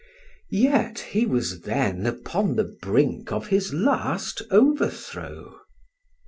Yet he was then upon the brink of his last overthrow.